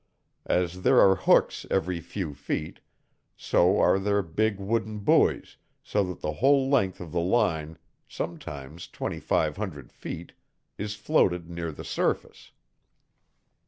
As there are hooks every few feet, so are there big wooden buoys, so that the whole length of the line sometimes twenty five hundred feet is floated near the surface.